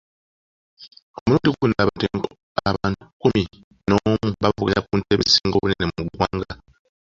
Omulundi guno abantu kkumi n'omu bavuganya ku ntebe esinga obunene mu ggwanga.